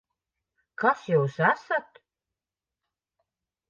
Kas Jūs esat?